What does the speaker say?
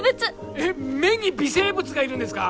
えっ目に微生物がいるんですか？